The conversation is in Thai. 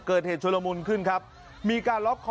เกิดเห็นชุดละมุนขึ้นครับมีการล็อกคอ